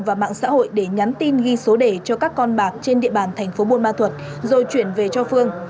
và mạng xã hội để nhắn tin ghi số đề cho các con bạc trên địa bàn tp hcm rồi chuyển về cho phương